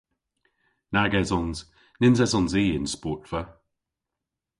Nag esons. Nyns esons i y'n sportva.